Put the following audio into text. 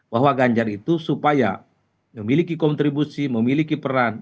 bahwa ganjar itu supaya memiliki kontribusi memiliki peran